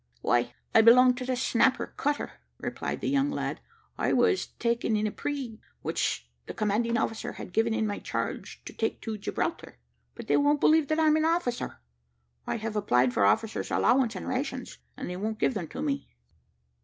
"Why, I belong to the Snapper cutter," replied the young lad; "I was taken in a prixe, which the commanding officer had given in my charge to take to Gibraltar: but they won't believe that I'm an officer. I have applied for officer's allowance and rations, and they won't give them to me."